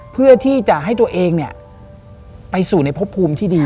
เพื่อที่จะให้ตัวเองไปสู่ในพบภูมิที่ดี